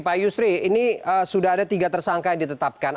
pak yusri ini sudah ada tiga tersangka yang ditetapkan